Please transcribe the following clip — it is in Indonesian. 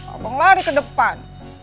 abang lari ke depan